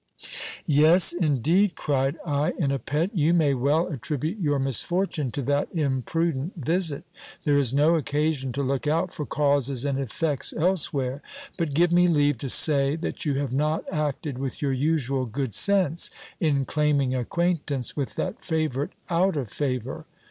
Yes, indeed ! cried I in a pet, you may well attribute your misfortune to that imprudent visit : there is no occasion to look out for causes and effects else where ; but give me leave to say that you have not acted with your usual good sense, in claiming acquaintance with that favourite out of favour.